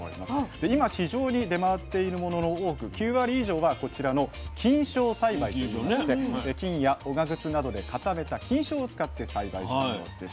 で今市場に出回っているものの多く９割以上はこちらの菌床栽培といいまして菌やおがくずなどで固めた菌床を使って栽培したものです。